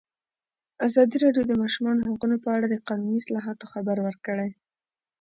ازادي راډیو د د ماشومانو حقونه په اړه د قانوني اصلاحاتو خبر ورکړی.